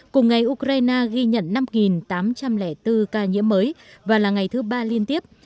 cùng ngày ukraine ghi nhận năm tám trăm linh bốn ca nhiễm mới và là ngày thứ ba liên tiếp